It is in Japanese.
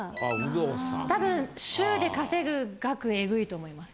たぶん週で稼ぐ額エグいと思います。